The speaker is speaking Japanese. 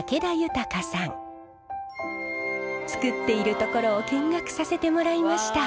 作っているところを見学させてもらいました。